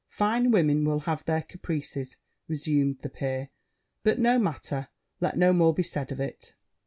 'Fine women will have their caprices,' resumed the peer: 'but no matter; let no more be said of it.'